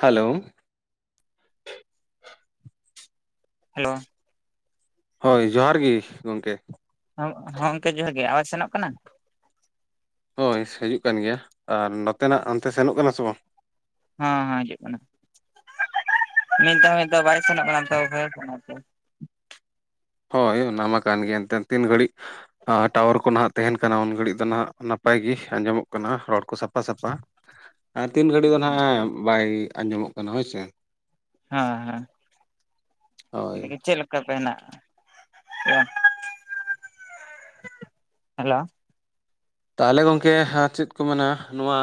Hello hello ᱦᱳᱭ ᱡᱚᱦᱟᱨ ᱜᱮ ᱜᱚᱢᱠᱮ᱾ ᱦᱚᱸ ᱜᱚᱝᱠᱮ ᱡᱚᱦᱟᱨᱜ ᱜᱮ ᱟᱵᱟᱡ ᱥᱮᱱᱚᱜ ᱠᱟᱱᱟ? ᱦᱳᱭ ᱦᱤᱡᱩᱜ ᱠᱟᱱ ᱜᱮᱭᱟ ᱟᱨ ᱱᱚᱛᱮᱱᱟᱜ ᱦᱟᱱᱛᱮ ᱥᱮᱱᱚᱜ ᱠᱟᱱᱟ ᱥᱮ ᱵᱟᱝ? ᱦᱮᱸᱦᱮᱸ ᱦᱤᱡᱩᱜ ᱠᱟᱱᱟ, ᱢᱤᱫᱫᱷᱟ ᱢᱤᱫᱫᱷᱟ ᱵᱟᱭ ᱥᱮᱱᱚᱜ ᱠᱟᱱᱟ ᱛᱚ, ᱦᱳᱭ ᱚᱱᱟᱢᱟ ᱠᱟᱱ ᱜᱮᱭᱟ ᱮᱱᱛᱮ ᱛᱤᱱ ᱜᱷᱟᱹᱲᱤᱡ ᱴᱟᱣᱟᱨ ᱠᱚ ᱱᱟᱦᱟᱜ ᱛᱟᱦᱮᱱ ᱠᱟᱱᱟ ᱩᱱ ᱜᱷᱟᱹᱲᱤᱡ ᱫᱚ ᱱᱟᱦᱟᱜᱜ ᱱᱟᱯᱟᱭ ᱜᱮ᱾ ᱟᱡᱚᱢᱚᱜ ᱠᱟᱱᱟ ᱨᱚᱲ ᱠᱚ ᱥᱟᱯᱷᱟ ᱥᱟᱯᱷᱟ ᱟᱨ ᱛᱤᱱ ᱜᱷᱟᱹᱲᱤᱡ ᱫᱚ ᱱᱟᱦᱟᱜ ᱵᱟᱭ ᱟᱡᱚᱢᱚᱜ ᱠᱟᱱᱟ ᱦᱳᱭᱥᱮ? ᱦᱮᱸ ᱦᱮᱸ ᱦᱳᱭ ᱪᱮᱫ ᱞᱮᱠᱟᱛᱮ ᱦᱮᱸᱱᱟᱜ, ᱦᱮᱞᱳ ᱛᱟᱦᱚᱞᱮ ᱜᱚᱢᱠᱮ ᱪᱮᱫ ᱠᱚ ᱢᱮᱱᱟ ᱱᱚᱣᱟ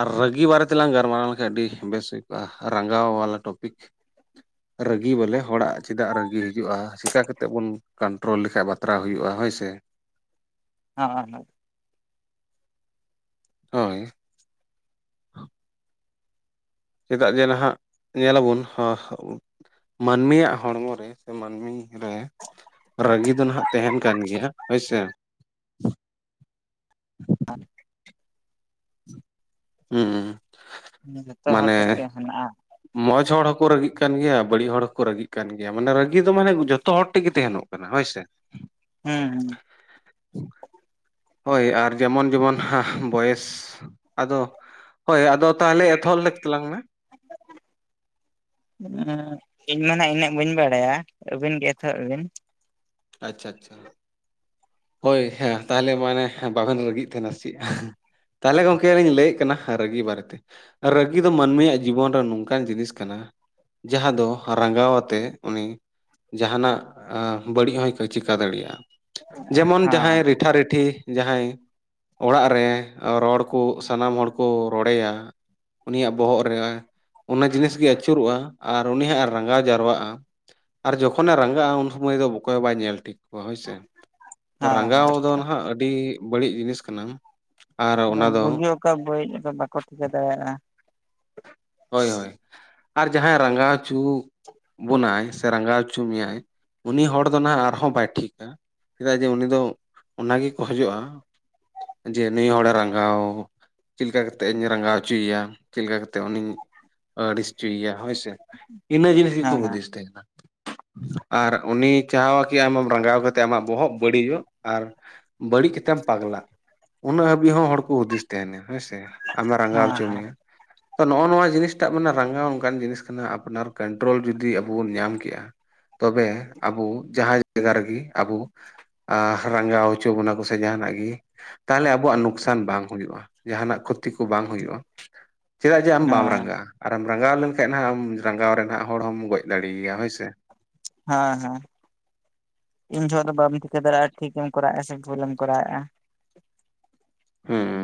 ᱟᱨ ᱨᱟᱹᱜᱤ ᱵᱟᱨᱮᱛᱮᱞᱟᱝ ᱜᱟᱞᱢᱟᱨᱟᱣ ᱞᱮᱱᱠᱷᱟᱱ ᱟᱹᱰᱤ ᱵᱮᱥ ᱦᱩᱭ ᱠᱚᱜ-ᱟ ᱨᱟᱸᱜᱟᱣᱟᱞᱟ ᱴᱚᱯᱤᱠ᱾ [inaudible] ᱨᱟᱹᱜᱤ ᱵᱚᱞᱮ ᱦᱚᱲᱟᱜ ᱪᱮᱫᱟᱜ ᱨᱟᱹᱜᱤ ᱦᱤᱡᱩᱜ-ᱟ, ᱪᱮᱠᱟ ᱠᱟᱛᱮᱫ ᱵᱚᱱ ᱠᱚᱱᱴᱨᱳᱞ ᱞᱮᱠᱷᱟᱡ ᱵᱟᱛᱨᱟᱣ ᱦᱩᱭᱩᱜ-ᱟ ᱦᱳᱭ ᱥᱮ? [unintelligible] ᱦᱳᱭ [inaudible] ᱪᱮᱫᱟᱜ ᱡᱮ ᱱᱟᱦᱟᱜ ᱧᱮᱞᱟᱵᱚᱱ ᱢᱟᱹᱱᱢᱤᱭᱟᱜ ᱦᱚᱲᱢᱚ ᱨᱮ ᱢᱟᱹᱱᱢᱤ ᱨᱮ ᱨᱟᱹᱜᱤ ᱫᱚ ᱱᱟᱦᱟᱜ ᱛᱟᱦᱮᱱ ᱠᱟᱱ ᱜᱮᱭᱟ, ᱦᱳᱭᱥᱮ? [inaudible] ᱦᱮᱸ ᱡᱷᱚᱛᱚ ᱦᱚᱲ ᱴᱷᱮᱱ ᱜᱮ ᱦᱮᱱᱟᱜ-ᱟ᱾ ᱢᱚᱸᱡᱽ ᱦᱚᱲ ᱦᱚᱸᱠᱚ ᱨᱟᱹᱜᱤᱜ ᱠᱟᱱ ᱜᱮᱭᱟ, ᱵᱟᱹᱲᱤᱡ ᱦᱚᱲ ᱦᱚᱸᱠᱚ ᱨᱟᱹᱜᱤᱜ ᱠᱟᱱ ᱜᱮᱭᱟ, ᱢᱟᱱᱮ ᱨᱟᱹᱜᱤ ᱫᱚ ᱢᱟᱱᱮ ᱡᱚᱛᱚ ᱦᱚᱲ ᱴᱷᱮᱱ ᱜᱮ ᱛᱟᱦᱮᱱᱚᱜ᱾ ᱠᱟᱱᱟ ᱦᱳᱭ ᱥᱮ? ᱦᱮᱸ ᱦᱩᱸ ᱦᱳᱭ ᱟᱨ ᱡᱮᱢᱚᱱ ᱡᱮᱢᱚᱱ ᱵᱚᱭᱮᱥ ᱟᱫᱚ ᱦᱳᱭ ᱟᱫᱚ ᱛᱟᱦᱚᱞᱮ ᱮᱛᱚᱦᱚᱞ ᱛᱟᱞᱟᱝ ᱢᱮ᱾ [inaudible] ᱤᱧ ᱢᱟ ᱱᱟᱜ ᱤᱱᱟᱹᱜ ᱵᱟᱹᱧ ᱵᱟᱲᱟᱭᱟ ᱟᱹᱵᱤᱱ ᱜᱮ ᱮᱛᱚᱦᱚᱵ ᱵᱤᱱ᱾ ᱟᱪᱪᱷᱟ ᱟᱪᱪᱷᱟ᱾ ᱦᱳᱭ ᱦᱮᱸ ᱛᱟᱦᱚᱞᱮ ᱢᱟᱱᱮ ᱵᱟᱵᱮᱱ ᱨᱟᱹᱜᱤᱜ ᱛᱟᱦᱮᱱᱟ ᱪᱮᱫ? ᱛᱟᱦᱚᱞᱮ ᱜᱚᱝᱠᱮ ᱞᱤᱧ ᱞᱟᱹᱭᱮᱫ ᱠᱟᱱᱟ᱾ ᱦᱮᱸ ᱨᱟᱹᱜᱤ ᱵᱟᱨᱮᱛᱮ ᱨᱟᱹᱜᱤ ᱫᱚ ᱢᱟᱹᱱᱢᱤᱭᱟᱜ ᱡᱤᱵᱚᱱ ᱨᱮ ᱱᱚᱝᱠᱟᱱ ᱡᱤᱱᱤᱥ ᱠᱟᱱᱟ, ᱡᱟᱦᱟᱸ ᱫᱚ ᱨᱟᱸᱜᱟᱣ ᱟᱛᱮᱜ ᱩᱱᱤ ᱡᱟᱦᱟᱱᱟᱜ ᱟᱸ ᱵᱟᱹᱲᱤᱡ ᱦᱚᱭ ᱪᱤᱠᱟᱹ ᱫᱟᱲᱮᱭᱟᱜ-ᱟ ᱡᱮᱢᱚᱱ ᱡᱟᱦᱟᱸᱭ ᱦᱮᱸ ᱨᱤᱴᱷᱟ ᱨᱮᱴᱷᱤ ᱡᱟᱦᱟᱸᱭ ᱚᱲᱟᱜ ᱨᱮ ᱨᱚᱲ ᱠᱚ ᱥᱟᱱᱟᱢ ᱦᱚᱲ ᱠᱚ ᱨᱚᱲᱮᱭᱟ ᱩᱱᱤᱭᱟᱜ ᱵᱚᱦᱚᱜ ᱨᱮ ᱚᱱᱟ ᱡᱤᱱᱤᱥ ᱜᱮ ᱟᱹᱪᱩᱨᱚᱜ-ᱟ ᱟᱨ ᱩᱱᱤᱭ ᱦᱟᱸᱜ ᱮ ᱨᱟᱸᱜᱟᱣ ᱡᱟᱣᱨᱟᱜ-ᱟ ᱟᱨ ᱡᱚᱠᱷᱚᱱᱮ ᱨᱟᱸᱜᱟᱜ-ᱟ ᱩᱱ ᱥᱩᱢᱚᱭ ᱫᱚ ᱚᱠᱚᱭ ᱵᱟᱭ ᱧᱮᱞ ᱴᱷᱤᱠ ᱠᱚᱣᱟ ᱦᱳᱭᱥᱮ ᱛᱚ ᱦᱮᱸ ᱦᱮᱸ ᱨᱟᱸᱜᱟᱣ ᱫᱚ ᱱᱟᱦᱟᱸᱜ ᱟᱹᱰᱤ ᱵᱟᱹᱲᱤᱡ ᱡᱤᱱᱤᱥ ᱠᱟᱱᱟ ᱟᱨ ᱚᱱᱟ ᱫᱚ ᱵᱩᱜᱤ ᱚᱠᱟ ᱵᱟᱹᱲᱤᱡ ᱵᱟᱠᱚ ᱴᱷᱤᱠᱟᱹ ᱫᱟᱲᱮᱭᱟᱜ-ᱟ ᱦᱳᱭ ᱦᱳᱭ ᱟᱨ ᱡᱟᱦᱟᱸᱭ ᱨᱟᱸᱜᱟᱣ ᱦᱚᱪᱚ ᱵᱚᱱᱟᱭ ᱥᱮ ᱨᱟᱸᱜᱟᱣ ᱦᱚᱪᱚ ᱢᱮᱭᱟᱭ ᱩᱱᱤ ᱦᱚᱲ ᱫᱚ ᱱᱟᱦᱟᱸᱜ ᱟᱨᱦᱚᱸ ᱵᱟᱭ ᱴᱷᱤᱠᱟᱹ ᱪᱮᱫᱟᱜ ᱡᱮ ᱩᱱᱤ ᱫᱚ ᱚᱱᱟ ᱜᱮᱭ ᱠᱷᱚᱡᱚᱜ-ᱟ ᱡᱮ ᱱᱩᱭ ᱦᱚᱲᱮ ᱨᱟᱸᱜᱟᱣ ᱪᱮᱫ ᱞᱮᱠᱟ ᱠᱟᱛᱮ ᱤᱧ ᱨᱟᱸᱜᱟᱣ ᱚᱪᱚᱭᱮᱭᱟ ᱪᱮᱫ ᱞᱮᱠᱟ ᱠᱟᱛᱮ ᱩᱱᱤᱧ ᱟᱹᱲᱤᱥ ᱦᱚᱪᱚᱭᱮᱭᱟ ᱦᱳᱭᱥᱮ ᱤᱱᱟᱹ ᱡᱤᱱᱤᱥ ᱜᱮᱠᱚ ᱦᱮᱸ ᱦᱮᱸ ᱦᱩᱫᱤᱥ [unintelligible] ᱟᱨ ᱩᱱᱤ ᱪᱟᱦᱟᱣᱟ ᱠᱤ ᱟᱢ ᱨᱟᱸᱜᱟᱣ ᱠᱟᱛᱮᱫ ᱟᱢᱟᱜ ᱵᱚᱦᱚᱜ ᱵᱟᱹᱲᱤᱡᱚᱜ ᱟᱨ ᱵᱟᱹᱲᱤᱡ ᱠᱟᱛᱮᱢ ᱯᱟᱜᱽᱞᱟ ᱩᱱᱟᱹᱜ ᱦᱟᱹᱵᱤᱡ ᱦᱚᱸ ᱦᱚᱲ ᱠᱚ ᱦᱩᱫᱤᱥ ᱛᱟᱦᱮᱱᱟ ᱦᱮᱸᱥᱮ ᱟᱢᱮ ᱨᱟᱸᱜᱟᱣ ᱦᱚᱪᱚ ᱦᱮᱸ ᱢᱮᱭᱟ ᱛᱚ ᱱᱚᱜ-ᱚ ᱱᱚᱣᱟ ᱡᱤᱱᱤᱥ ᱴᱟᱜ ᱨᱟᱸᱜᱟᱣ ᱚᱱᱠᱟᱱ ᱡᱤᱱᱤᱥ ᱠᱟᱱᱟ ᱟᱯᱱᱟᱨ ᱠᱚᱱᱴᱨᱳᱞ ᱡᱩᱫᱤ ᱟᱵᱚ ᱵᱚᱱ ᱧᱟᱢ ᱠᱮᱜ-ᱟ ᱛᱚᱵᱮ ᱟᱵᱚ ᱡᱟᱦᱟᱸ ᱡᱟᱭᱜᱟ ᱨᱮᱜᱮ ᱟᱵᱚ ᱟ ᱨᱟᱸᱜᱟᱣ ᱦᱚᱪᱚ ᱵᱚᱱᱟ ᱠᱚᱥᱮ ᱡᱟᱦᱟᱱᱟᱜ ᱜᱮ ᱛᱟᱦᱚᱞᱮ ᱟᱵᱚᱣᱟᱜ ᱱᱩᱠᱥᱟᱱ ᱵᱟᱝ ᱦᱩᱭᱩᱜᱼᱟ ᱡᱟᱦᱟᱱᱟᱜ ᱠᱷᱳᱛ ᱛᱤ ᱠᱚ ᱵᱟᱝ ᱦᱩᱭᱩᱜᱼᱟ ᱪᱮᱫᱟᱜ ᱡᱮ ᱟᱢ ᱦᱮᱸ ᱵᱟᱢ ᱨᱟᱸᱜᱟᱼᱟ ᱟᱨᱮᱢ ᱨᱟᱸᱜᱟᱣ ᱞᱮᱱᱠᱷᱟᱡ ᱦᱟᱸᱜ ᱮᱢ ᱨᱟᱸᱜᱟᱣ ᱨᱮᱱ ᱦᱟᱸᱜ ᱦᱚᱲ ᱦᱚᱸᱢ ᱜᱚᱡ ᱫᱟᱲᱮᱭᱟᱭᱟ ᱦᱳᱭᱥᱮ ᱦᱮᱸ ᱦᱮᱸ ᱤᱧ ᱡᱚᱦᱚᱜ ᱫᱚ ᱵᱟᱢ ᱴᱷᱤᱠᱟᱹ ᱫᱟᱲᱮᱭᱟᱜᱼᱟ ᱴᱷᱤᱠ ᱮᱢ ᱠᱚᱨᱟᱣᱮᱫᱼᱟ ᱥᱮ ᱵᱷᱩᱞᱮᱢ ᱠᱚᱨᱟᱣᱮᱫᱼᱟ ᱦᱮᱸ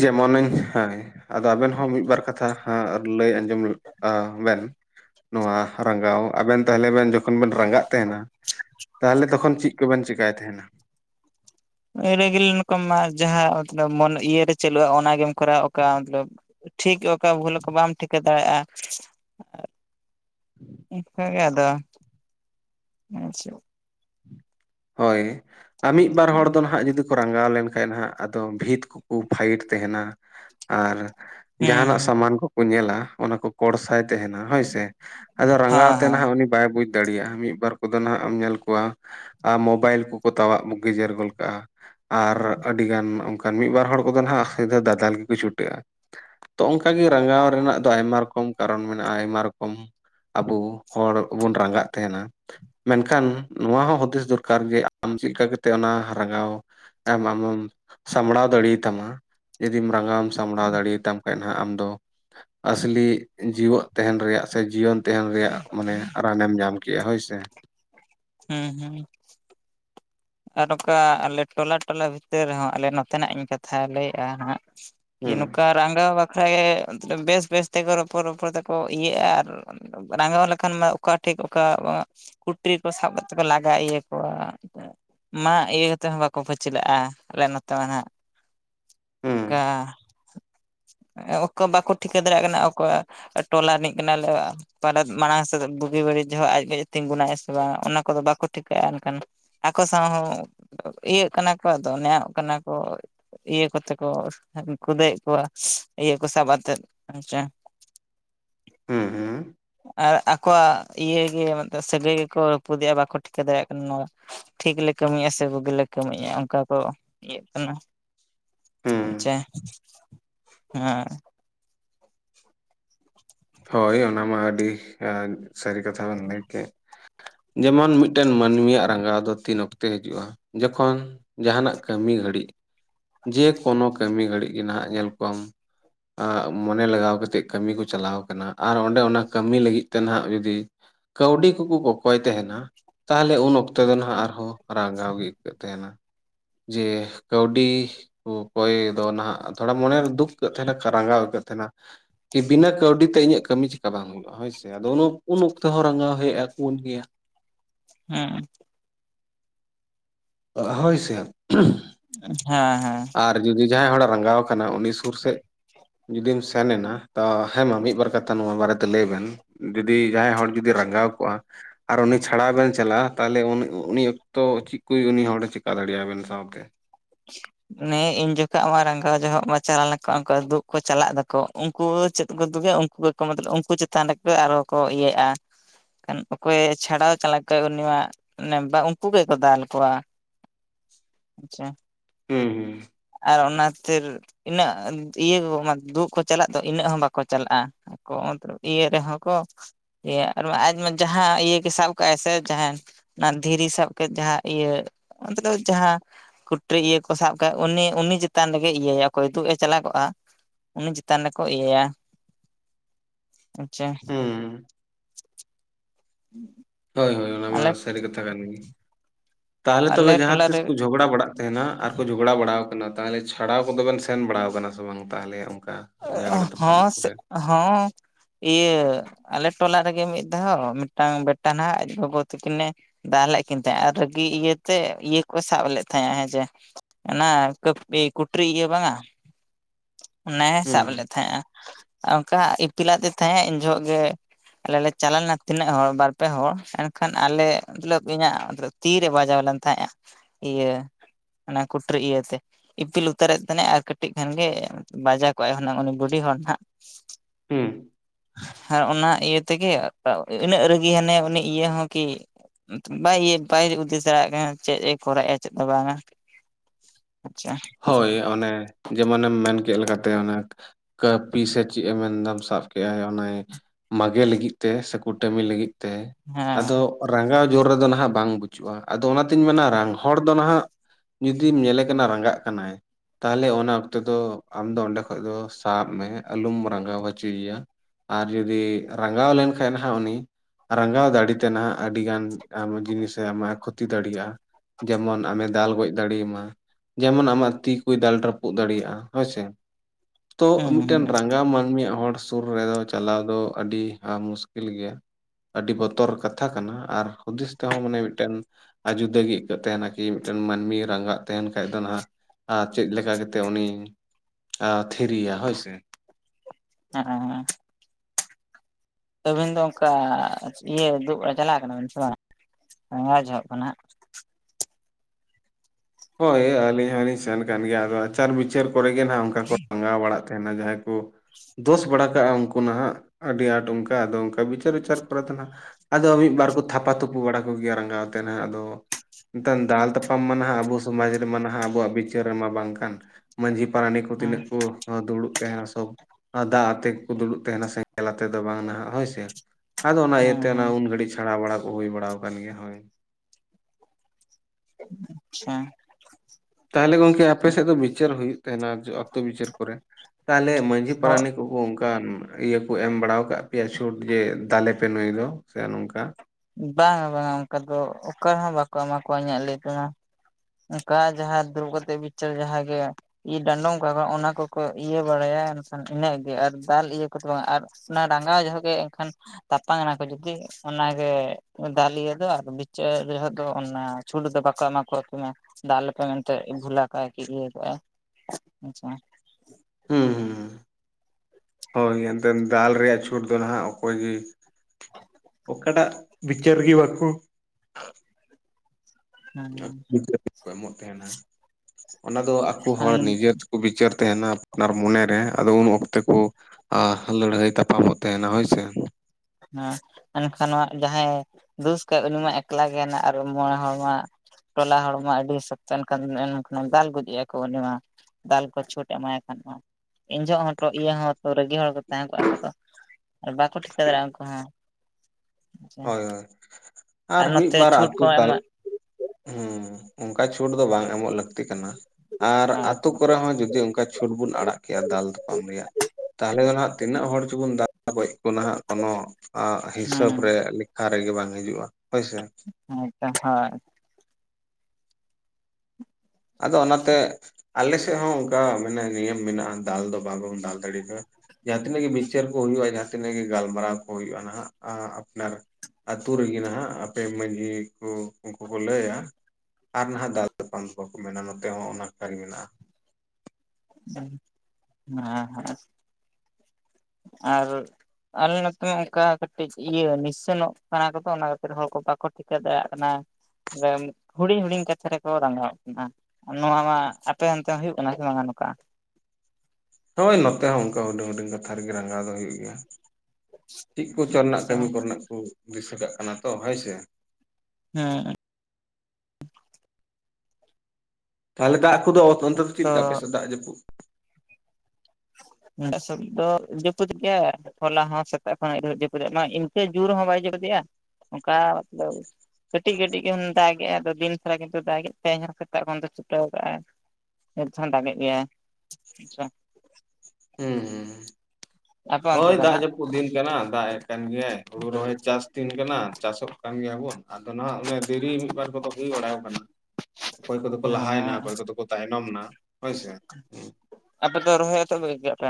ᱡᱟᱹᱯ ᱢᱚᱱᱟᱹᱧ ᱦᱮᱸᱭ ᱟᱫᱚ ᱟᱵᱮᱱ ᱦᱚᱸ ᱢᱤᱫ ᱵᱟᱨ ᱠᱟᱛᱷᱟ ᱞᱟᱹᱭ ᱟᱸᱡᱚᱢ ᱵᱮᱱ ᱱᱚᱣᱟ ᱨᱟᱸᱜᱟᱣ ᱟᱵᱮᱱ ᱛᱟᱦᱚᱞᱮ ᱵᱮᱱ ᱡᱚᱠᱷᱚᱱ ᱵᱮᱱ ᱨᱟᱸᱜᱟᱜ ᱛᱟᱦᱮᱱᱟ ᱛᱟᱦᱚᱞᱮ ᱛᱚᱠᱷᱚᱱ ᱪᱮᱫ ᱠᱚᱵᱮᱱ ᱪᱮᱠᱟᱭ ᱛᱟᱦᱮᱱᱟ ᱟᱸᱭᱲᱟ ᱜᱮ ᱞᱤ ᱱᱝᱠᱟᱢ ᱢᱟ ᱡᱟᱦᱟᱸ ᱢᱚᱛᱞᱚᱵᱽ ᱢᱚᱱ ᱤᱭᱟᱹᱨᱮ ᱪᱟᱹᱞᱩᱜᱼᱟ ᱚᱱᱟᱜᱮᱢ ᱠᱚᱨᱟᱟᱣᱟ ᱚᱠᱟ ᱢᱚᱛᱞᱚᱵᱽ ᱴᱷᱤᱠ ᱚᱠᱟ ᱵᱷᱩᱞ ᱚᱠᱟ ᱵᱟᱢ ᱴᱷᱤᱠᱟᱹ ᱫᱟᱲᱮᱭᱟᱜᱼᱟ ᱚᱱᱠᱟ ᱜᱮ ᱟᱫᱚ ᱪᱮᱫ ᱦᱳᱭ ᱟᱨ ᱢᱤᱫ ᱵᱟᱨ ᱦᱚᱲ ᱫᱚ ᱱᱟᱦᱟᱸᱜ ᱡᱩᱫᱤ ᱠᱚ ᱨᱟᱸᱜᱟᱣ ᱞᱮᱱᱠᱷᱟᱡ ᱱᱟᱦᱟᱸᱜ ᱟᱫᱚ ᱵᱷᱤᱛ ᱠᱚᱠᱚ ᱯᱷᱟᱭᱤᱴ ᱛᱟᱦᱮᱱᱟ ᱟᱨ ᱦᱩᱸ ᱡᱟᱦᱟᱱᱟᱜ ᱦᱩᱸ ᱥᱟᱢᱟᱱ ᱠᱚᱠᱚ ᱧᱮᱞᱟ ᱚᱱᱟ ᱠᱚ ᱠᱚᱲᱥᱟᱭ ᱛᱟᱦᱮᱱᱟ ᱦᱳᱭ ᱥᱮ ᱟᱫᱚ ᱨᱟᱸᱜᱟᱣ ᱦᱮᱸ ᱛᱮ ᱦᱮᱸ ᱱᱟᱦᱟᱸᱜ ᱩᱱᱤ ᱵᱟᱭ ᱵᱩᱡᱽ ᱫᱟᱲᱮᱭᱟᱜᱼᱟ ᱢᱤᱫ ᱵᱟᱨ ᱠᱚᱫᱚ ᱱᱟᱦᱟᱸᱜ ᱮᱢ ᱧᱮᱞ ᱠᱚᱣᱟ ᱟᱨ ᱢᱳᱵᱟᱹᱭᱤᱞ ᱠᱚᱠᱚ ᱛᱟᱣᱟᱜ ᱜᱮᱡᱮᱨ ᱜᱚᱞ ᱠᱟᱜᱼᱟ ᱟᱨ ᱟᱹᱰᱤ ᱟᱹᱰᱤ ᱜᱟᱱ ᱚᱱᱠᱟᱱ ᱢᱤᱫ ᱵᱟᱨ ᱦᱚᱲ ᱠᱚᱫᱚ ᱱᱟᱦᱟᱸᱜ ᱫᱟᱫᱟᱞ ᱜᱮᱠᱚ ᱪᱷᱩᱴᱟᱹᱜᱼᱟ ᱛᱚ ᱚᱱᱠᱟ ᱜᱮ ᱨᱟᱸᱜᱟᱣ ᱨᱮᱱᱟᱜ ᱫᱚ ᱟᱭᱢᱟ ᱨᱚᱠᱚᱢ ᱠᱟᱨᱚᱱ ᱢᱮᱱᱟᱜᱼᱟ ᱟᱭᱢᱟ ᱨᱚᱠᱚᱢ ᱟᱵᱚ ᱦᱚᱲ ᱵᱚᱱ ᱨᱟᱸᱜᱟᱜ ᱛᱟᱦᱮᱱᱟ ᱢᱮᱱᱠᱷᱟᱱ ᱱᱚᱣᱟ ᱦᱚᱸ ᱦᱩᱫᱤᱥ ᱫᱚᱨᱠᱟᱨ ᱡᱮ ᱟᱢ ᱪᱮᱫ ᱞᱮᱠᱟ ᱠᱟᱛᱮᱫ ᱚᱱᱟ ᱨᱟᱸᱜᱟᱣ ᱟᱢ ᱟᱢᱮᱢ ᱥᱟᱢᱲᱟᱣ ᱫᱟᱲᱮᱭᱟᱛᱟᱢᱟ ᱡᱚᱫᱤᱢ ᱨᱟᱸᱜᱟᱣ ᱮᱢ ᱥᱟᱢᱵᱽᱲᱟᱣ ᱫᱟᱲᱮᱭᱟᱛᱟᱢ ᱠᱷᱚᱡ ᱱᱟᱦᱟᱸᱜ ᱟᱢ ᱫᱚ ᱟᱹᱥᱞᱤ ᱡᱤᱣᱮᱫ ᱛᱟᱦᱮᱱ ᱨᱮᱭᱟᱜ ᱥᱮ ᱡᱤᱭᱚᱱ ᱛᱟᱦᱮᱱ ᱨᱮᱭᱟᱜ ᱢᱟᱱᱮ ᱨᱟᱱᱮᱢ ᱧᱟᱢ ᱠᱮᱜᱼᱟ ᱦᱳᱭ ᱥᱮ ᱦᱮᱸ ᱦᱮᱸ ᱟᱨ ᱚᱠᱟ ᱟᱞᱮ ᱴᱚᱞᱟ ᱴᱚᱞᱟ ᱵᱷᱤᱛᱤᱨ ᱨᱮᱦᱚᱸ ᱟᱞᱮ ᱱᱚᱛᱮᱱᱟᱜ ᱤᱧ ᱠᱟᱛᱷᱟ ᱞᱟᱹᱭᱮᱜᱼᱟ ᱦᱟᱸᱜ ᱠᱤ ᱦᱩᱸ ᱱᱚᱝᱠᱟ ᱨᱟᱸᱜᱟᱣ ᱵᱟᱠᱷᱨᱟ ᱜᱮ ᱵᱮᱥ ᱵᱮᱥ ᱛᱮᱠᱚ ᱨᱚᱯᱚᱲ ᱨᱚᱯᱚᱲ ᱛᱮᱠᱚ ᱤᱭᱟᱹᱜᱼᱟ ᱟᱨ ᱨᱟᱸᱜᱟᱣ ᱞᱮᱠᱷᱟᱱ ᱢᱟ ᱚᱠᱟ ᱴᱷᱤᱡ ᱚᱠᱟ ᱵᱟᱝ-ᱟ ᱠᱷᱚᱴᱨᱤ ᱠᱚ ᱥᱟᱵᱽ ᱠᱟᱛᱮᱫ ᱠᱚ ᱞᱟᱜᱟ ᱤᱭᱟᱹ ᱠᱚᱣᱟ ᱢᱟᱜ ᱤᱭᱟᱹ ᱠᱟᱛᱮ ᱦᱚᱸ ᱵᱟᱠᱚ ᱯᱟᱹᱪᱷᱞᱟᱹᱜᱼᱟ ᱟᱞᱮ ᱱᱚᱛᱮ ᱢᱟ ᱱᱟᱦᱟᱸᱜ ᱦᱩᱸ ᱚᱠᱟ ᱵᱟᱠᱚ ᱴᱷᱤᱠᱟᱹ ᱫᱟᱲᱮᱭᱟᱜ ᱠᱟᱱᱟ ᱟᱠᱚᱭᱟ ᱴᱚᱞᱟ ᱨᱤᱱᱤᱡ ᱠᱟᱱᱟᱭ [unintelligible] ᱯᱟᱞᱮᱫ ᱢᱟᱲᱟᱝ ᱥᱮᱫ ᱵᱩᱜᱤ ᱵᱟᱹᱲᱤᱡ ᱡᱚᱦᱚᱜ ᱟᱡ ᱜᱮᱡ ᱛᱤᱸᱜᱩᱱᱟᱭ ᱥᱮ ᱵᱟᱝ ᱚᱱᱟ ᱠᱚᱫᱚ ᱵᱟᱠᱚ ᱴᱷᱤᱠᱟᱹᱭᱮᱫ-ᱟ ᱮᱱᱠᱷᱟᱱ ᱟᱠᱚ ᱥᱟᱶ ᱦᱚᱸ ᱤᱭᱟᱹᱜ ᱠᱟᱱᱟ ᱠᱚ ᱟᱫᱚ ᱱᱮᱭᱟᱜ ᱠᱟᱱᱟ ᱠᱚ ᱤᱭᱟᱹ ᱠᱚᱛᱮ ᱠᱚ ᱠᱷᱫᱟᱹᱣᱮᱫ ᱠᱚᱣᱟ ᱤᱭᱟᱹ ᱠᱚ ᱥᱟᱵ ᱟᱛᱮᱫ ᱦᱮᱸᱪᱮ ᱦᱩᱸ ᱦᱩᱸ [unintelligible] ᱟᱠᱚᱣᱟᱜ ᱤᱭᱟᱹ ᱜᱮ ᱢᱮᱱᱛᱮ ᱥᱟᱹᱜᱟᱹᱭ ᱜᱮᱠᱚ ᱨᱟᱹᱯᱩᱫᱮᱜᱼᱟ ᱵᱟᱠᱚ ᱴᱷᱤᱠᱟᱹ ᱫᱟᱲᱮᱭᱟᱜ ᱠᱟᱱᱟ ᱱᱚᱣᱟ ᱴᱷᱤᱠ ᱞᱮ ᱠᱟᱹᱢᱤᱭᱮᱫᱼᱟ ᱥᱮ ᱵᱩᱜᱤᱞᱮ ᱠᱟᱹᱢᱤᱭᱮᱫᱼᱟ ᱚᱱᱠᱟ ᱠᱚ ᱤᱭᱟᱹᱜ ᱠᱟᱱᱟ ᱦᱩᱸ [unintelligible] ᱦᱳᱭ ᱚᱱᱟᱢᱟ ᱟᱹᱰᱤ ᱥᱟᱹᱨᱤ ᱠᱟᱛᱷᱟ ᱵᱮᱱ ᱞᱟᱹᱭ ᱠᱮᱫ ᱡᱮᱢᱚᱱ ᱢᱤᱫᱴᱮᱱ ᱢᱟᱹᱱᱢᱤᱭᱟᱜ ᱨᱟᱸᱜᱟᱣ ᱫᱚ ᱛᱤᱱ ᱚᱠᱛᱮ ᱦᱤᱡᱩᱜᱼᱟ ᱡᱚᱠᱷᱚᱱ ᱡᱟᱦᱟᱱᱟᱜ ᱠᱟᱹᱢᱤ ᱜᱷᱟᱹᱲᱤᱡ ᱡᱮ ᱠᱳᱱᱳ ᱠᱟᱹᱢᱤ ᱜᱷᱟᱹᱲᱤᱡ ᱜᱮ ᱱᱟᱦᱟᱜ ᱧᱮᱞ ᱠᱚᱣᱟᱢ ᱢᱚᱱᱮ ᱞᱟᱜᱟᱣ ᱠᱟᱛᱮᱫ ᱠᱟᱹᱢᱤ ᱠᱚ ᱪᱟᱞᱟᱣ ᱠᱟᱱᱟ ᱟᱨ ᱚᱸᱰᱮ ᱚᱱᱟ ᱠᱟᱹᱢᱤ ᱞᱟᱹᱜᱤᱫ ᱛᱮ ᱱᱟᱦᱟᱜ ᱡᱩᱫᱤ ᱠᱟᱹᱣᱰᱤ ᱠᱚᱠᱚ ᱠᱚᱠᱚᱭ ᱛᱟᱦᱮᱱᱟ ᱛᱟᱦᱚᱞᱮ ᱩᱱ ᱚᱠᱛᱚ ᱫᱚ ᱱᱟᱦᱟᱜ ᱟᱨᱦᱚᱸ ᱨᱟᱸᱜᱟᱣ ᱜᱮ ᱟᱹᱭᱠᱟᱹᱜ ᱛᱟᱦᱮᱱᱟ ᱡᱮ ᱠᱟᱹᱣᱰᱤ ᱠᱚ ᱠᱚᱭ ᱫᱚ ᱱᱟᱦᱟᱜ ᱛᱷᱚᱲᱟ ᱢᱚᱱᱮᱨᱮ ᱫᱩᱠ ᱠᱟᱹᱜ ᱛᱟᱦᱮᱱᱟ ᱨᱟᱸᱜᱟᱣ ᱟᱹᱭᱠᱟᱹᱫ ᱛᱟᱦᱮᱱᱟ ᱠᱤ ᱵᱤᱱᱟ ᱠᱟᱹᱣᱰᱤ ᱛᱮ ᱤᱧᱟᱹᱜ ᱠᱟᱹᱢᱤ ᱪᱤᱠᱟ ᱵᱟᱝ ᱦᱮᱭᱩᱼᱟ ᱦᱳᱭᱥᱮ ᱟᱫᱚ ᱩᱱ ᱚᱠᱛᱚ ᱦᱚᱸ ᱨᱟᱸᱜᱟᱣ ᱦᱮᱭ ᱟᱠᱩ ᱜᱮᱭᱟ ᱦᱮᱸ ᱦᱳᱭ ᱥᱮ [unintelligible] ᱦᱮᱸ ᱦᱮᱸ ᱟᱨ ᱡᱩᱫᱤ ᱡᱟᱦᱟᱸᱭ ᱦᱚᱲᱟᱜ ᱨᱟᱸᱜᱟᱣ ᱟᱠᱟᱱᱟ ᱩᱱᱤ ᱥᱩᱨ ᱥᱮᱫ, ᱡᱩᱫᱤᱢ ᱥᱮᱱ ᱮᱱᱟ ᱛᱚ ᱦᱮᱸ ᱢᱟ ᱢᱤᱫ ᱵᱟᱨ ᱠᱟᱛᱷᱟ ᱱᱚᱣᱟ ᱵᱟᱨᱮᱛᱮ ᱞᱟᱹᱭ ᱵᱮᱱ ᱡᱩᱫᱤ ᱡᱟᱦᱟᱸᱭ ᱦᱚᱲ ᱡᱩᱫᱤ ᱨᱟᱸᱜᱟᱣ ᱠᱚᱜᱼᱟ, ᱟᱨ ᱩᱱᱤ ᱪᱷᱟᱲᱟ ᱵᱮᱱ ᱪᱟᱞᱟᱜᱼᱟ ᱛᱟᱦᱚᱞᱮ ᱩᱱᱤ ᱚᱠᱛᱚ ᱪᱮᱫ ᱠᱚ ᱩᱱᱤ ᱦᱚᱲᱮ ᱪᱮᱠᱟ ᱫᱟᱲᱮᱭᱟᱜᱼᱟ ᱵᱮᱱ ᱥᱟᱶᱛᱮ, [inaudible] ᱱᱮ ᱤᱧ ᱡᱚᱠᱷᱚᱡ ᱢᱟ ᱨᱟᱸᱜᱟᱣ ᱡᱚᱦᱚᱜ ᱢᱟ ᱪᱟᱞᱟᱣ ᱞᱮᱱᱠᱚ ᱩᱱ ᱫᱩᱜ ᱠᱚ ᱪᱟᱞᱟᱜ ᱫᱚᱠᱚ ᱩᱱᱠᱩ ᱪᱮᱫ ᱠᱚ ᱫᱩᱜᱟ ᱩᱱᱠᱩ ᱢᱚᱛᱞᱚᱵ ᱩᱱᱠᱩ ᱪᱮᱛᱟᱱ ᱨᱮᱠᱚ ᱟᱨᱚ ᱠᱚ ᱤᱭᱟᱹᱼᱟ ᱠᱷᱟᱱ ᱚᱠᱚᱭ ᱪᱷᱟᱲᱟᱣ ᱪᱟᱞᱟᱣ ᱠᱟᱱᱟ ᱩᱱᱤᱢᱟ ᱵᱟ ᱩᱱᱠᱩ ᱜᱮᱠᱚ ᱫᱟᱞ ᱠᱚᱣᱟ ᱟᱪᱪᱷᱟ ᱦᱩᱸ ᱦᱩᱸ ᱟᱨ ᱚᱱᱟᱛᱤᱨ ᱤᱱᱟᱹᱜ ᱤᱭᱟᱹ ᱠᱚ ᱫᱩᱜᱽ ᱠᱚ ᱪᱟᱞᱟᱜ ᱫᱚ ᱤᱱᱟᱹᱜ ᱦᱚᱸ ᱵᱟᱠᱚ ᱪᱟᱞᱟᱜᱼᱟ, [unintelligible] ᱤᱭᱟᱹ ᱨᱮ ᱦᱚ ᱠᱚ, ᱟᱨ ᱟᱡ ᱢᱟ ᱡᱟᱸᱦᱟ ᱤᱭᱟᱹ ᱜᱮ ᱥᱟᱵ ᱠᱟ ᱟᱭᱥᱮ ᱡᱟᱦᱟ ᱚᱱᱟ ᱫᱷᱤᱨᱤ ᱥᱟᱵ ᱠᱮᱫ ᱡᱟᱦᱟᱸ ᱤᱭᱟᱹ ᱚᱱᱛᱮ ᱫᱚ ᱡᱟᱦᱟᱸ ᱨᱮ ᱤᱭᱟᱹ ᱠᱚ ᱥᱟᱵ ᱠᱟᱜ ᱩᱱᱤ ᱩᱱᱤ ᱪᱮᱛᱟᱱ ᱨᱮᱜᱮ ᱤᱭᱟᱹᱭᱟ ᱚᱠᱚᱭ ᱫᱩᱜ ᱮ ᱪᱟᱞᱟᱣ ᱠᱚᱜᱼᱟ, ᱩᱱᱤ ᱪᱮᱛᱟᱱ ᱨᱮᱠᱚ ᱤᱭᱟᱹᱭᱟ ᱟᱪᱪᱷᱟ, ᱦᱮᱸ ᱦᱮᱸ ᱦᱳᱭ ᱦᱳᱭ ᱚᱱᱟ ᱢᱟ ᱥᱟᱹᱨᱤ ᱠᱟᱛᱷᱟ ᱠᱟᱱ ᱜᱮ ᱛᱟᱦᱚᱞᱮ ᱟᱞᱮ ᱛᱚᱵᱮ ᱡᱟᱦᱟᱸ ᱴᱚᱞᱟᱨᱮ ᱛᱤᱥ ᱠᱚ ᱡᱷᱚᱜᱽᱲᱟ ᱵᱟᱲᱟᱜ ᱛᱟᱦᱮᱱᱟ ᱟᱨᱠᱚ ᱡᱷᱚᱜᱲᱟ ᱵᱟᱲᱟ ᱟᱠᱟᱱᱟ ᱛᱟᱦᱚᱞᱮ ᱪᱷᱟᱲᱟᱣ ᱠᱚᱫᱚ ᱵᱮᱱ ᱥᱮᱱ ᱵᱟᱲᱟ ᱟᱠᱟᱱᱟ ᱥᱮ ᱵᱟᱝ ᱛᱟᱦᱚᱞᱮ ᱚᱱᱠᱟ, ᱡᱷᱟᱜᱽᱲᱟ ᱛᱟᱯᱟᱢ ᱦᱚᱸ ᱥᱮ ᱨᱮ ᱦᱚᱸ ᱤᱭᱟᱹ ᱟᱞᱮ ᱴᱚᱞᱟ ᱨᱮᱜᱮ ᱢᱤᱫ ᱫᱷᱟᱣ ᱢᱤᱫᱴᱟᱝ ᱵᱮᱴᱟ ᱱᱟᱦᱟᱜ ᱟᱡ ᱜᱚᱜᱚ ᱛᱟᱠᱤᱱᱮ, ᱫᱟᱜᱴ ᱞᱮᱫ ᱠᱤᱱ ᱛᱟᱦᱮᱸᱱᱟ ᱟᱨ ᱨᱟᱹᱜᱤ ᱤᱭᱟᱹᱛᱮ ᱤᱭᱟᱹ ᱠᱚ ᱥᱟᱵ ᱞᱮᱫ ᱛᱟᱦᱮᱸᱜᱼᱟ ᱦᱮᱸ ᱡᱮ, ᱚᱱᱟ ᱠᱟ. ᱯᱤ ᱠᱩᱴᱨᱤ ᱤᱭᱟᱹ ᱵᱟᱝᱟ ᱦᱩᱸ ᱥᱟᱵ ᱞᱮᱫ ᱛᱟᱦᱮᱸᱜᱼᱟ ᱚᱱᱠᱟ ᱤᱯᱤᱞᱟᱫᱮ ᱛᱟᱦᱮᱸᱜ ᱩᱱ ᱡᱚᱦᱚᱜ ᱜᱮ, ᱟᱞᱮ ᱞᱮ ᱪᱟᱞᱟᱣ ᱞᱮᱱᱟ ᱛᱤᱱᱟᱹᱜ ᱦᱚᱲ ᱵᱟᱨᱯᱮ ᱦᱚᱲ ᱮᱱᱠᱷᱟᱱ ᱟᱞᱮ ᱢᱚᱛᱞᱚᱵ ᱤᱧᱟᱹᱜ ᱛᱤᱨᱮ ᱵᱟᱡᱟᱣ ᱞᱮᱱ ᱛᱟᱦᱮᱸᱼᱟ ᱤᱭᱟᱹ ᱚᱱᱟ ᱠᱩᱴᱨᱟᱹ ᱤᱭᱟᱹᱛᱮ ᱤᱯᱤᱞ ᱩᱛᱟᱹᱨᱮᱫ ᱛᱟᱦᱮᱱᱟᱭ ᱟᱨ ᱠᱟᱹᱴᱤᱡ ᱠᱷᱟᱱᱜᱮ ᱵᱟᱡᱟ ᱩᱱᱤ ᱵᱩᱰᱷᱤ ᱦᱚᱲ ᱱᱟᱜ ᱦᱩᱸ ᱟᱨ ᱚᱱᱟ ᱤᱭᱟᱹᱛᱮ, ᱛᱮᱜᱮ ᱤᱱᱟᱹᱜ ᱨᱟᱹᱜᱤ ᱦᱟᱱᱮ ᱩᱱᱤ ᱤᱭᱟᱹ ᱦᱚᱸ ᱠᱤ, ᱵᱟᱭ ᱵᱟᱭ ᱦᱩᱫᱤᱥ ᱫᱟᱲᱮᱭᱟᱜ ᱠᱟᱱᱟ ᱪᱮᱫᱼ ᱮ ᱠᱚᱨᱟᱣᱮᱫᱼᱟ ᱪᱮᱫ ᱫᱚ ᱵᱟᱝᱟ, ᱟᱪᱪᱷᱟ ᱦᱳᱭ ᱚᱱᱮ ᱡᱮᱢᱚᱱᱮᱢ ᱢᱮᱱ ᱠᱮᱫ ᱞᱮᱠᱟᱛᱮ ᱚᱱᱮ, ᱠᱟᱯᱤ ᱥᱮ ᱪᱮᱫ ᱢᱮᱱ ᱮᱫᱟᱢ ᱥᱟᱵ ᱠᱮᱫᱮᱜᱟᱭ ᱚᱱᱟᱭ, ᱢᱟᱜᱮ ᱞᱟᱹᱜᱤᱫ ᱛᱮ ᱥᱮ ᱠᱩᱴᱟᱹᱢᱤ ᱞᱟᱹᱜᱤᱫ ᱛᱮ, ᱛᱮ ᱦᱮᱸ ᱟᱫᱚ ᱨᱟᱸᱜᱟᱣ ᱡᱳᱨ ᱨᱮᱫᱚ ᱱᱟᱦᱟᱜ ᱵᱟᱝ ᱵᱩᱪᱩᱜᱼᱟ ᱟᱫᱚ ᱚᱱᱟᱛᱤᱧ ᱢᱮᱱᱟ ᱦᱚᱲ ᱫᱚ ᱱᱟᱦᱟᱜ, ᱡᱩᱫᱤᱢ ᱧᱮᱞᱮ ᱠᱟᱱᱟ ᱨᱟᱸᱜᱟᱜ ᱠᱟᱱᱟᱭ, ᱛᱟᱦᱚᱞᱮ ᱚᱱᱟ ᱚᱠᱛᱚ ᱫᱚ ᱟᱢᱫᱚ ᱚᱸᱰᱮ ᱠᱷᱚᱱᱚᱡ ᱫᱚ ᱥᱟᱦᱟᱜ ᱢᱮ ᱟᱞᱚᱢ ᱨᱟᱸᱜᱟᱣ ᱦᱚᱪᱚᱭᱮᱭᱟ ᱟᱨ ᱡᱩᱫᱤ ᱨᱟᱸᱜᱟᱣ ᱞᱮᱱᱠᱷᱟᱱ ᱦᱟᱜ ᱩᱱᱤ ᱨᱟᱸᱜᱟᱣ ᱫᱟᱲᱮᱛᱮ ᱱᱟᱦᱟᱜ ᱟᱹᱰᱤ ᱜᱟᱱ ᱟᱢ ᱡᱤᱱᱤᱥᱮ ᱟᱢᱟᱜ ᱠᱷᱚᱛᱤ ᱫᱟᱲᱮᱭᱟᱜᱼᱟ, ᱡᱮᱢᱚᱱ ᱟᱢᱮ ᱫᱟᱞ ᱜᱚᱡ ᱫᱟᱲᱮᱭᱟᱢᱟ ᱡᱮᱢᱚᱱ ᱟᱢᱟᱜ ᱛᱤ ᱠᱚᱭ ᱫᱟᱞ ᱨᱟᱹᱯᱩᱫ ᱫᱟᱲᱮᱭᱟᱜᱼᱟ ᱦᱳᱭ ᱥᱮ, ᱛᱚ ᱦᱩᱸ ᱢᱤᱫᱴᱮᱱ ᱦᱩᱸ ᱨᱟᱸᱜᱟᱣ ᱢᱟᱹᱱᱢᱤᱭᱟᱜ ᱦᱚᱲ ᱥᱩᱨ ᱨᱮᱫᱚ ᱪᱟᱞᱟᱣ ᱫᱚ ᱟᱹᱰᱤ ᱢᱩᱥᱠᱤᱞ ᱜᱮᱭᱟ ᱟᱹᱰᱤ ᱵᱚᱛᱚᱨ ᱠᱟᱛᱷᱟ ᱠᱟᱱᱟ ᱟᱨ ᱦᱩᱫᱤᱥ ᱛᱮᱦᱚᱸ ᱢᱟᱱᱮ ᱢᱤᱫᱴᱮᱱ ᱟᱨ ᱡᱩᱫᱟᱹ ᱜᱮ ᱟᱹᱭᱠᱟᱹᱜ ᱛᱟᱦᱮᱱᱟ ᱟᱨᱠᱤ ᱢᱤᱫᱴᱟᱝ ᱢᱟᱹᱱᱢᱤ ᱟᱜ ᱨᱟᱸᱜᱟᱜ ᱛᱟᱦᱮᱱ ᱠᱷᱟᱡ ᱫᱚ ᱱᱟᱦᱟᱜ ᱪᱮᱫ ᱞᱮᱠᱟ ᱠᱟᱛᱮᱜ ᱩᱱᱤ ᱟ ᱛᱷᱮᱨᱤᱭᱟ ᱦᱳᱭ ᱥᱮ ᱦᱮ ᱟᱹᱵᱤᱱ ᱫᱚ ᱚᱱᱠᱟ ᱤᱭᱟᱹ ᱫᱩᱲᱩᱵ ᱵᱟᱲᱟ ᱪᱟᱞᱟᱣ ᱟᱠᱟᱱᱟᱵᱤᱱ ᱥᱮ ᱵᱟᱝ ᱞᱟᱜᱟᱣ ᱡᱚᱦᱚᱜ ᱠᱟᱱᱟᱜ ᱦᱳᱭ ᱟᱹᱞᱤᱧ ᱦᱚᱞᱤᱧ ᱥᱮᱱ ᱟᱠᱟᱱ ᱜᱮᱭᱟ ᱟᱫᱚ ᱟᱪᱟᱨ ᱵᱤᱪᱟᱹᱨ ᱠᱚᱨᱮ ᱜᱮ ᱱᱟᱸᱜ ᱚᱱᱠᱟ ᱠᱚ ᱨᱟᱸᱜᱟᱣ ᱵᱟᱲᱟᱜ ᱛᱟᱦᱮᱱᱟ ᱡᱟᱦᱟᱸᱭ ᱠᱚ ᱫᱳᱥ ᱵᱟᱲᱟ ᱠᱟᱜᱼᱟ ᱩᱱᱠᱩ ᱱᱟᱦᱟᱜ ᱟᱹᱰᱤ ᱟᱸᱴ ᱚᱱᱠᱟ ᱟᱫᱚ ᱚᱱᱠᱟ ᱵᱤᱪᱟᱹᱨᱼᱟᱪᱟᱨ ᱠᱚᱨᱮᱛᱮ ᱱᱟᱜ ᱟᱫᱚ ᱢᱤᱫ ᱵᱟᱨ ᱠᱚ ᱛᱷᱟᱯᱟ ᱛᱷᱩᱯᱩ ᱵᱟᱲᱟ ᱠᱚᱜᱮᱭᱟ ᱨᱟᱸᱜᱟᱣ ᱛᱮ ᱦᱟᱜ ᱟᱫᱚ, ᱫᱟᱞ ᱛᱟᱯᱟᱢ ᱢᱟ ᱱᱟᱦᱟᱜ ᱟᱵᱩ ᱥᱚᱢᱟᱡᱽ ᱨᱮᱢᱟ ᱱᱟᱦᱟᱜ ᱟᱵᱚᱣᱟᱜ ᱵᱤᱪᱟᱹᱨ ᱨᱮᱢᱟ ᱵᱟᱝᱠᱟᱱ ᱢᱟᱺᱡᱷᱤ ᱯᱟᱨᱟᱱᱤᱠ ᱠᱚ ᱦᱟᱸᱜ ᱛᱤᱱᱟᱹᱜ ᱠᱚ, ᱫᱩᱲᱩᱵ ᱛᱟᱦᱮᱱᱟ ᱥᱚᱵ ᱟᱨ ᱫᱟᱜ ᱟᱛᱮ ᱜᱮᱠᱚ ᱫᱩᱲᱩᱵ ᱛᱟᱦᱮᱱᱟ ᱥᱮᱸᱜᱮᱞ ᱟᱛᱮᱫ ᱫᱚ ᱵᱟᱝ ᱱᱟᱦᱟᱜ ᱦᱳᱭ ᱥᱮ ᱟᱫᱚ ᱚᱱᱟ ᱦᱮᱸ ᱤᱭᱟᱹᱛᱮ ᱦᱮᱸ ᱚᱱᱟ ᱦᱮᱸ ᱩᱱ ᱜᱷᱲᱤᱡ ᱪᱷᱟᱲᱟᱣ ᱵᱟᱲᱟ ᱠᱚ ᱦᱩᱭ ᱵᱟᱲᱟ ᱟᱠᱟᱱ ᱜᱮᱭᱟ ᱦᱳᱭ ᱟᱪᱪᱷᱟ ᱛᱟᱦᱚᱞᱮ ᱜᱚᱢᱠᱮ ᱟᱯᱮ ᱥᱮᱫ ᱫᱚ ᱵᱤᱪᱟᱹᱨ ᱦᱩᱭᱩᱜ ᱛᱟᱦᱮᱱᱟ ᱚᱠᱛᱚ ᱵᱤᱪᱟᱹᱨ ᱠᱚᱨᱮ ᱛᱟᱦᱚᱞᱮ ᱢᱟᱺᱡᱷᱤ ᱦᱚᱸ ᱯᱟᱨᱟᱱᱤᱠ ᱠᱚᱠᱚ ᱚᱱᱠᱟᱱ ᱤᱭᱟᱹ ᱠᱚ ᱮᱢ ᱵᱟᱲᱟ ᱟᱠᱟᱫ ᱯᱮᱭᱟ ᱪᱷᱩᱴ ᱡᱮ ᱫᱟᱞᱮ ᱯᱮ ᱱᱩᱭ ᱫᱚ ᱥᱮ ᱱᱚᱝᱠᱟ ᱵᱟᱝᱟ ᱵᱟᱝᱟ ᱚᱱᱠᱟ ᱫᱚ ᱚᱠᱟ ᱨᱮᱦᱚᱸ ᱵᱟᱠᱚ ᱮᱢᱟ ᱠᱚᱣᱟ ᱤᱧᱟᱹᱜ ᱞᱟᱹᱭ ᱛᱮᱢᱟ ᱚᱠᱠᱟ ᱡᱟᱦᱟᱸ ᱫᱩᱰᱩᱵ ᱠᱟᱛᱮ ᱵᱤᱪᱟᱨ ᱡᱟᱦᱟᱸ ᱜᱮ ᱰᱟᱸᱰᱚᱢ ᱠᱚ ᱦᱟᱜ ᱚᱱᱟ ᱠᱚᱠᱚ ᱤᱭᱟᱹ ᱵᱟᱲᱟᱭᱟ ᱮᱱᱠᱷᱟᱱ ᱤᱱᱟᱹᱜ ᱜᱮ ᱟᱨ ᱫᱟᱞ ᱤᱭᱟᱹ ᱠᱚᱫᱚ ᱵᱟᱝ ᱟᱨ ᱚᱱᱟ ᱨᱟᱸᱜᱟᱣ ᱡᱮ ᱮᱱᱠᱷᱟᱱ ᱛᱟᱯᱟᱢ ᱮᱱᱟ ᱠᱚ ᱡᱩᱫᱤ ᱚᱱᱟ ᱫᱟᱞ ᱤᱭᱟᱹ ᱫᱚ ᱟᱨ ᱵᱤᱪᱟᱹᱨ ᱨᱮᱦᱚ ᱫᱚ ᱚᱱᱟ ᱪᱷᱩᱞᱤ ᱫᱚ ᱵᱟᱠᱚ ᱮᱢᱟ ᱠᱚᱣᱟ ᱠᱤ ᱫᱟᱞᱮᱯᱮ ᱢᱮᱱᱛᱮ ᱵᱷᱩᱞ ᱟᱠᱟᱜᱟᱭ ᱤᱭᱟᱹ ᱟᱠᱟᱜ ᱟᱭ ᱦᱩᱸ ᱦᱩᱸ ᱦᱩᱸ [unintelligible] ᱦᱳᱭ ᱮᱱᱛᱮ ᱫᱟᱞ ᱨᱮᱭᱟᱜ ᱪᱷᱩᱴ ᱫᱚ ᱱᱟᱦᱟᱜ ᱚᱠᱚᱭ ᱜᱮ ᱚᱠᱟᱴᱟᱜ ᱵᱤᱪᱟᱹᱨ ᱜᱮ ᱵᱟᱠᱚ ᱦᱮᱸ ᱱᱚᱝᱠᱟ ᱮᱢᱚᱜ ᱛᱟᱦᱮᱱᱟ ᱚᱱᱟ ᱫᱚ ᱟᱠᱚ ᱦᱚᱲ ᱠᱷᱟᱱ ᱱᱤᱡᱮ ᱵᱤᱪᱟᱹᱨ ᱛᱟᱦᱮᱱᱟ ᱟᱯᱱᱟᱨ ᱢᱚᱱᱮᱨᱮ ᱟᱫᱚ ᱩᱱ ᱚᱠᱛᱮ ᱠᱚ ᱟᱨ ᱞᱟᱹᱲᱦᱟᱹᱭ ᱛᱟᱯᱟᱢᱚᱜ ᱛᱟᱦᱮᱱᱟ ᱦᱳᱭ ᱥᱮ ᱦᱮᱸ ᱮᱱᱠᱷᱟᱱ ᱱᱚᱣᱟ ᱡᱟᱦᱟᱸᱭ ᱮ ᱫᱩᱥ ᱠᱟᱜᱟᱭ ᱩᱱᱤ ᱢᱟ ᱮᱠᱞᱟ ᱜᱮᱭᱟ ᱱᱟᱜ ᱟᱨ ᱢᱚᱬᱮ ᱦᱚᱲ ᱢᱟ ᱴᱚᱞᱟ ᱦᱚᱲᱢᱟ ᱟᱹᱰᱤ ᱥᱚᱠᱛᱚᱱᱟᱱ ᱫᱟᱞ ᱜᱚᱡᱮ ᱟᱠᱚ ᱠᱚ ᱩᱱᱤᱢᱟ ᱫᱟᱞ ᱠᱚ ᱪᱷᱩᱴ ᱮᱢᱟᱭ ᱠᱟᱱ ᱠᱷᱟᱱ ᱤᱱ ᱡᱚᱦᱚᱜ ᱦᱚᱸ ᱤᱭᱟᱹ ᱦᱚᱸᱛᱚ ᱨᱟᱹᱜᱤ ᱦᱚᱲ ᱛᱟᱦᱮᱸ ᱠᱚᱜᱼᱟ ᱠᱚ ᱛᱚ ᱟᱨ ᱵᱟᱠᱚ ᱴᱷᱤᱠᱟᱹ ᱫᱟᱲᱮᱭᱟᱜᱼᱟ ᱩᱱᱠᱩ ᱦᱚᱸ ᱦᱳᱭ ᱦᱳᱭ [unintelligible] ᱟᱨ ᱱᱚᱛᱮ ᱪᱷᱩᱴ ᱠᱚ ᱮᱢᱚᱜ᱾ ᱦᱮ ᱚᱱᱠᱟ ᱪᱷᱩᱴ ᱫᱚ ᱵᱟᱝ ᱮᱢᱚᱜ ᱞᱟᱹᱠᱛᱤ ᱠᱟᱱᱟ ᱟᱨ ᱦᱮᱸ ᱟᱛᱳ ᱠᱚᱨᱮ ᱦᱚᱸ ᱡᱩᱫᱤ ᱚᱱᱠᱟ ᱪᱷᱩᱴ ᱪᱷᱩᱴ ᱵᱚᱱ ᱟᱲᱟᱜ ᱠᱮᱜᱼᱟ ᱫᱟᱞ ᱛᱟᱯᱟᱢ ᱨᱮᱭᱟᱜ ᱛᱟᱦᱚᱞᱮ ᱦᱟᱜ ᱛᱤᱱᱟᱹᱜ ᱦᱚᱲ ᱪᱚᱵᱚᱱ ᱫᱟᱞ ᱜᱚᱡ ᱠᱚ ᱱᱟᱦᱟᱜ ᱠᱚᱱᱚ ᱦᱤᱥᱟᱹᱵ ᱦᱮᱸ ᱨᱮ ᱞᱮᱠᱷᱟ ᱨᱮᱜᱮ ᱵᱟᱝ ᱦᱤᱡᱩᱜᱼᱟ ᱦᱳᱭ ᱥᱮ᱾ ᱟᱪᱪᱷᱟ ᱦᱮ [unintelligible] ᱟᱫᱚ ᱚᱱᱟᱛᱮ ᱟᱞᱮ ᱥᱮᱫ ᱦᱚᱸ ᱚᱱᱠᱟ ᱢᱟᱱᱮ ᱱᱤᱭᱚᱢ ᱢᱮᱱᱟᱜᱼᱟ ᱫᱟᱞ ᱫᱚ ᱵᱟᱵᱚᱱ ᱫᱟᱞ ᱫᱟᱲᱮ ᱠᱟᱣᱟ ᱡᱟᱦᱟᱸ ᱛᱤᱱᱟᱹᱜ ᱜᱮ ᱢᱤᱥᱪᱟᱨ ᱠᱚ ᱦᱩᱭᱩᱜᱼᱟ ᱡᱟᱦᱟᱸ ᱛᱤᱱᱟᱹᱜ ᱜᱮ ᱜᱟᱞᱢᱟᱨᱟᱣ ᱠᱚ ᱦᱩᱭᱩᱜᱼᱟ ᱱᱟᱦᱟᱜ ᱟᱯᱱᱟᱨ ᱟᱛᱳ ᱨᱮᱜᱮ ᱱᱟᱦᱟᱜ ᱟᱯᱮ ᱢᱟᱺᱡᱷᱤ ᱠᱚ ᱩᱱᱠᱩ ᱠᱚ ᱞᱟᱹᱭ-ᱟ᱾ ᱟᱨ ᱱᱟᱦᱟᱜ ᱫᱟᱞ ᱛᱟᱯᱟᱱ ᱫᱚ ᱵᱟᱠᱚ ᱢᱮᱱᱟ ᱱᱚᱛᱮ ᱦᱚᱸ ᱚᱱᱟ ᱠᱟᱹᱨᱤ ᱢᱮᱱᱟᱜᱼᱟ᱾ ᱦᱮᱸ ᱦᱮᱸ ᱟᱨ ᱟᱞᱮ ᱱᱚᱛᱮ ᱢᱟ ᱚᱱᱠᱟ ᱠᱟᱹᱴᱤᱡ ᱤᱭᱟᱹ ᱱᱤᱥᱟᱹᱱᱚᱜ ᱠᱟᱱᱟ ᱠᱚᱫᱚ ᱚᱱᱟ ᱠᱷᱟᱹᱛᱤᱨ ᱦᱚᱲ ᱠᱚ ᱵᱟᱠᱚ ᱴᱷᱤᱠᱟᱹ ᱫᱟᱲᱮᱭᱟᱜ ᱠᱟᱱᱟ᱾ ᱦᱩᱰᱤᱧ ᱦᱩᱰᱤᱧ ᱠᱟᱛᱷᱟ ᱨᱮᱠᱚ ᱨᱟᱸᱜᱟᱣ ᱠᱟᱱᱟ᱾ ᱱᱚᱣᱟ ᱢᱟ ᱟᱯᱮ ᱦᱚᱱᱛᱮ ᱦᱩᱭᱩᱜ ᱠᱟᱱᱟ ᱥᱮ ᱵᱟᱝ-ᱟ ᱱᱚᱝᱠᱟ? ᱦᱳᱭ ᱱᱚᱛᱮ ᱦᱚᱸ ᱚᱱᱠᱟ ᱦᱩᱰᱤᱝ ᱦᱩᱰᱤᱧ ᱠᱟᱛᱷᱟ ᱨᱮᱜᱮ ᱨᱟᱸᱜᱟᱣ ᱫᱚ ᱦᱩᱭᱩᱜ ᱜᱮᱭᱟ᱾ ᱪᱮᱫ ᱠᱚᱪᱚ ᱨᱮᱱᱟᱜ ᱠᱟᱹᱢᱤ ᱠᱚᱨᱮᱱᱟᱜ ᱠᱚ ᱫᱤᱥᱟᱹ ᱠᱟᱜ ᱠᱟᱱᱟ ᱛᱚ ᱦᱳᱭ ᱥᱮ᱾ ᱦᱮᱸ᱾ ᱛᱟᱦᱚᱞᱮ ᱫᱟᱜ ᱠᱚᱫᱚ ᱚᱛ ᱚᱱᱛᱚᱨ ᱫᱚ ᱪᱮᱫ ᱛᱚ ᱞᱮᱠᱟ ᱟᱹᱯᱮᱥᱮ ᱫᱟᱜ ᱡᱟᱹᱯᱩ? [unintelligible] ᱡᱟᱹᱯᱩᱫ ᱜᱮᱭᱟ᱾ ᱦᱳᱞᱟ ᱦᱚᱸ ᱥᱮᱛᱟᱜ ᱠᱷᱚᱱᱚ ᱡᱟᱯᱩᱫ ᱫᱟᱭ ᱤᱱᱠᱟᱹ ᱡᱳᱨ ᱦᱚᱸ ᱵᱟᱭ ᱚᱡᱚ ᱠᱮᱫᱮᱼᱟ ᱚᱱᱠᱟ [unintelligible] ᱠᱟᱹᱴᱤᱡ ᱠᱟᱹᱴᱤᱡ ᱜᱟᱱ ᱫᱟᱜᱮᱫᱼᱟ ᱟᱫᱚ ᱫᱤᱱ ᱪᱷᱟᱨᱟ ᱠᱤᱱᱛᱩ ᱫᱟᱜᱮᱫ ᱛᱮᱭ ᱥᱮᱛᱟᱜ ᱠᱷᱚᱱ ᱫᱚ ᱪᱷᱩᱴᱟᱹᱣ ᱠᱟᱜᱼᱟ ᱾ ᱱᱤᱛ ᱦᱚ ᱫᱟᱜ ᱮᱫ ᱜᱮᱭᱟᱭ [unintelligible] ᱦᱮᱸ ᱦᱸ ᱟᱯᱮ ᱚᱱᱛᱮ ᱦᱳᱭ ᱫᱚ ᱫᱟᱜ ᱱᱟᱦᱟᱜ ᱡᱟᱹᱯᱩᱫ ᱫᱤᱱ ᱠᱟᱱᱟ ᱫᱟᱜ ᱮᱫ ᱠᱟᱱ ᱜᱮᱭᱟᱭ ᱦᱩᱲᱩ ᱨᱚᱦᱚᱭ ᱪᱟᱥ ᱫᱤᱱ ᱠᱟᱱᱟ ᱪᱟᱥ ᱠᱟᱱ ᱜᱮᱭᱟ ᱵᱚᱱ ᱟᱫᱚ ᱱᱟᱦᱟᱜ ᱚᱱᱮ ᱫᱮᱤ ᱢᱤᱫᱵᱟᱨ ᱠᱚᱫᱚ ᱦᱩᱭ ᱵᱟᱲᱟᱣ ᱟᱠᱟᱱᱟ᱾ ᱚᱠᱚᱭ ᱠᱚᱫᱚ ᱠᱚ ᱞᱟᱦᱟᱭᱮᱱᱟ ᱦᱮᱸ ᱚᱠᱚᱭ ᱠᱚᱫᱚ ᱠᱚ ᱛᱟᱭᱱᱚᱢ ᱱᱟ ᱦᱳᱭᱥᱮ᱾ ᱟᱯᱮ ᱫᱚᱚ ᱨᱚᱦᱚᱭᱟ ᱛᱚ ᱵ ᱜᱮᱭᱟᱯᱮ?